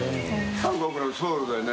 韓国のソウルだよね。